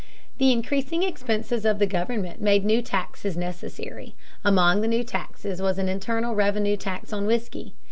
The increasing expenses of the government made new taxes necessary. Among the new taxes was an internal revenue tax on whiskey.